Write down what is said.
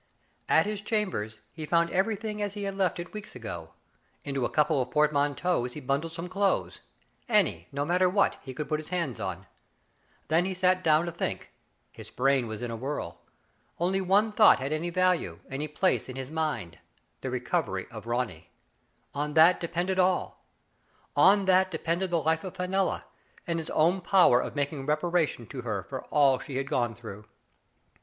At his chambers he found everything as he had left it weeks ago. Into a couple of portmanteaus he bundled some clothes — any, no matter what, he could put his hands on. Then he sat down to think. His brain was in a whirl. Only one thought had any value, any place in his mind — the recovery of Ronny. On that depended all. On that depended the life of Fenella, and his own power of making reparation to her for all she had gone through.